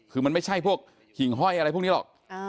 คือมันไม่ใช่พวกหิ่งห้อยอะไรพวกนี้หรอก